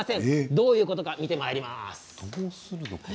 どういうことか見ていきます。